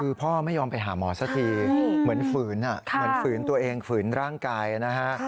คือพ่อไม่ยอมไปหาหมอสักทีเหมือนฝืนเหมือนฝืนตัวเองฝืนร่างกายนะฮะ